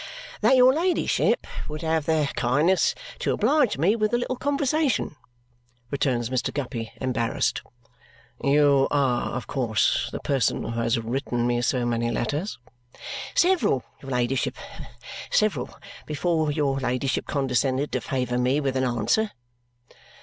"That your ladyship would have the kindness to oblige me with a little conversation," returns Mr. Guppy, embarrassed. "You are, of course, the person who has written me so many letters?" "Several, your ladyship. Several before your ladyship condescended to favour me with an answer."